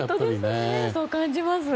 そう感じます。